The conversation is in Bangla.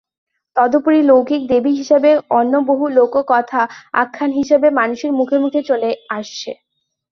তদুপরি লৌকিক দেবী হিসাবে অন্য বহু লোককথা আখ্যান হিসাবে মানুষের মুখে মুখে চলে আসছে।